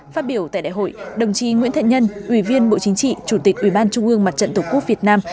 phát biểu tại đại hội đồng chí nguyễn thận nhân ủy viên bộ chính trị chủ tịch ủy ban trung ương mặt trận tổ quốc việt nam